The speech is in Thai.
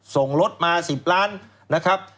ส่งรถมา๑๐ล้านนะครับ